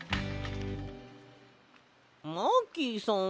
マーキーさん